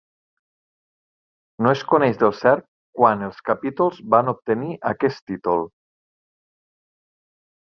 No es coneix del cert quan els capítols van obtenir aquest títol.